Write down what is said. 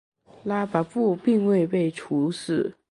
拉跋布并未被处死。